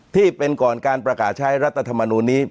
ที่เป็นก่อนการประกาศใช้รัฐธรรมนูลนี้